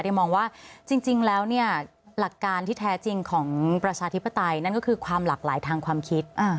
มองว่าจริงแล้วเนี่ยหลักการที่แท้จริงของประชาธิปไตยนั่นก็คือความหลากหลายทางความคิด